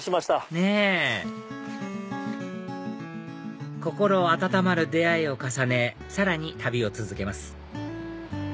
ねぇ心温まる出会いを重ねさらに旅を続けます